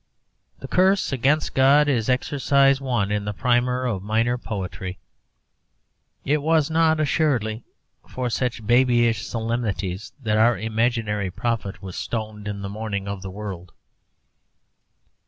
The curse against God is Exercise I. in the primer of minor poetry. It was not, assuredly, for such babyish solemnities that our imaginary prophet was stoned in the morning of the world.